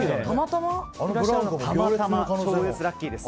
たまたま、超絶ラッキーです。